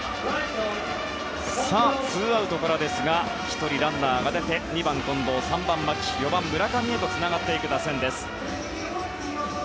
ツーアウトからですが１人ランナーが出て２番、近藤３番、牧４番、村上へとつながっていく打線です。